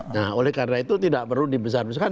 nah oleh karena itu tidak perlu dibesarkan